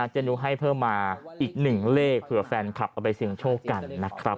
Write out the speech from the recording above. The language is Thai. เจนุให้เพิ่มมาอีกหนึ่งเลขเผื่อแฟนคลับเอาไปเสี่ยงโชคกันนะครับ